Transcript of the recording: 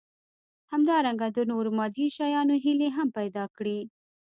همدارنګه د نورو مادي شيانو هيلې هم پيدا کړي.